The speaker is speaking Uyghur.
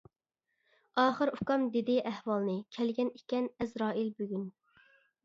ئاخىر ئۇكام دېدى ئەھۋالنى، كەلگەن ئىكەن ئەزرائىل بۈگۈن.